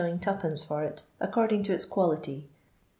2d, for it, according to its quality.